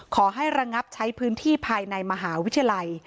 ขอให้ระงับใช้พื้นที่ภายในมหาวิทยาลัย